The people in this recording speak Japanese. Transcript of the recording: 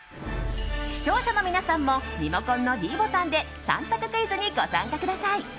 視聴者の皆さんもリモコンのｄボタンで３択クイズにご参加ください。